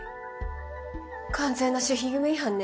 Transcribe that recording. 完全な守秘義務違反ね。